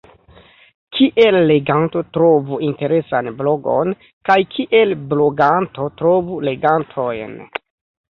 Kiel leganto trovu interesan blogon kaj kiel bloganto trovu legantojn?